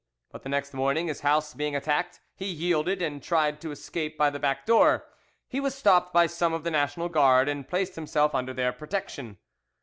But the next morning, his house being attacked, he yielded, and tried to escape by the back door. He was stopped by some of the National Guard, and placed himself under their protection.